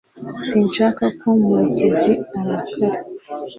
Sinshaka ko murekezi arakara